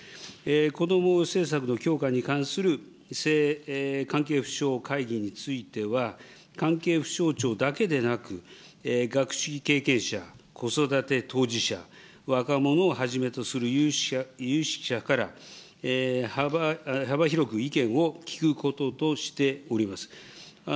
こども政策の強化に関する関係府省会議については、関係府省庁だけでなく、学識経験者、子育て当事者、若者をはじめとする有識者から幅広く意見を聞くこととしております。